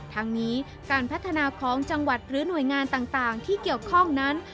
ทั้งนี้การพัฒนาของจังหวัดหรือหน่วยงานต่างที่เกี่ยวข้องนั้น